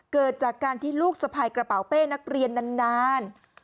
เกิดจากการที่ลูกสะพายกระเป๋าเป้นักเรียนนาน